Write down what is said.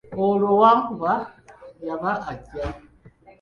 Olwo wankuba y’aba ajja.